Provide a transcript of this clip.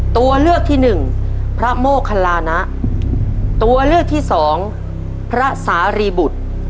ตัวเลือกที่หนึ่งพระโมคลานะตัวเลือกที่สองพระสารรีบุตร